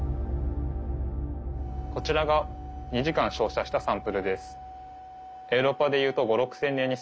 こちらが２時間照射したサンプルです。